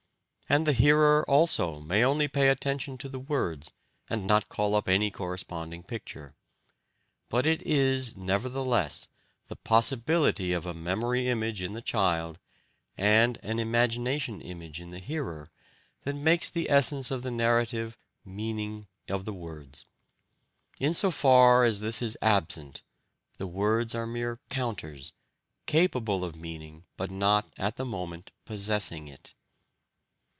And the hearer also may only pay attention to the words, and not call up any corresponding picture. But it is, nevertheless, the possibility of a memory image in the child and an imagination image in the hearer that makes the essence of the narrative "meaning" of the words. In so far as this is absent, the words are mere counters, capable of meaning, but not at the moment possessing it.